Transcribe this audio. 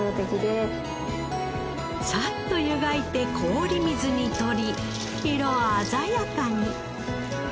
サッと湯がいて氷水にとり色鮮やかに。